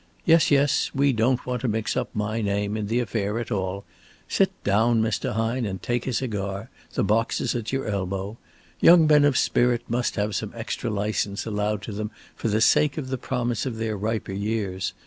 "Yes, yes, we don't want to mix up my name in the affair at all. Sit down, Mr. Hine, and take a cigar. The box is at your elbow. Young men of spirit must have some extra license allowed to them for the sake of the promise of their riper years.